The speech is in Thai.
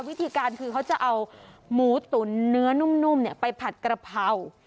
วิธีการคือเขาจะเอาหมูตุ๋นเนื้อนุ่มไปผัดกระเพรา